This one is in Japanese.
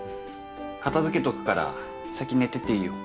片付けとくから先寝てていいよ。